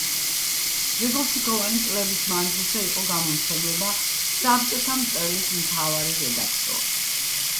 გრიგოლ ჩიქოვანი წლების მანძილზე იყო გამომცემლობა საბჭოთა მწერლის მთავარი რედაქტორი.